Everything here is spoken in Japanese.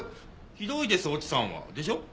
「ひどいです越智さんは」でしょ？